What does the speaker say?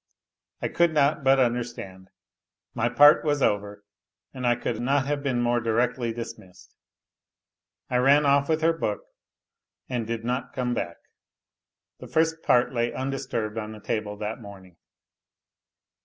I could not but understand. My part was over, and I could not have been more directly dismissed. I ran off with her book and did not come back. The first part lay undisturbed on the table that morning.